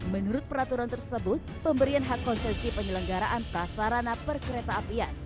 menurut peraturan tersebut pemberian hak konsesi penyelenggaraan prasarana perkereta apian